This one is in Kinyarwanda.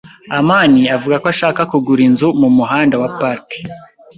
amani avuga ko ashaka kugura inzu ku Muhanda wa Park.